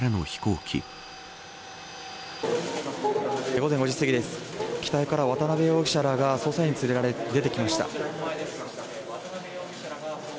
機体から渡辺容疑者らが捜査員に連れられ出てきました。